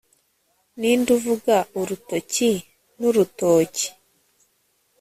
ninde uvuga urutoki n'urutoki